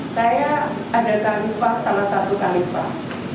saya ada kalifah salah satu kalifah